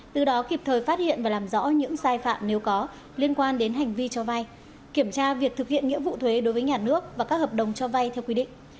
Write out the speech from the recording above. từ đó kịp thời phát hiện và làm rõ những sai phạm nếu có liên quan đến hành vi cho vay kiểm tra việc thực hiện nghĩa vụ thuế đối với nhà nước và các hợp đồng cho vay theo quy định